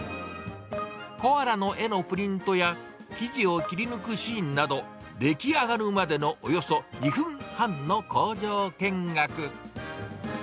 コアラの絵のプリントや、生地を切り抜くシーンなど、出来上がるまでのおよそ２分半の工場見学。